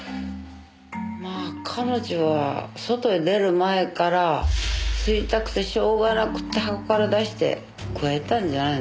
まあ彼女は外へ出る前から吸いたくてしょうがなくて箱から出してくわえてたんじゃないの？